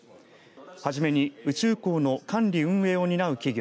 はじめに宇宙港の管理運営を担う企業